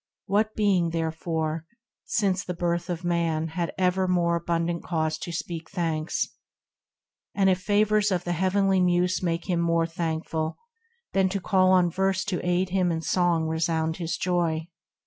— What being, therefore, since the birth of Man Had ever more abundant cause to speak Thanks, and if favours of the Heavenly Muse Make him more thankful, then to call on Verse To aid him and in song resound his joy